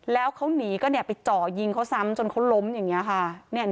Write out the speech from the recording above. แล้วเขาหนีก็ไปเจาะยิงเขาซ้ำจนเขาล้มอย่างนี้ค่ะ